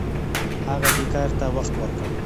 هغه دې کار ته وخت ورکړ.